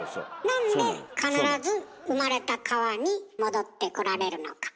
なんで必ず生まれた川に戻ってこられるのか。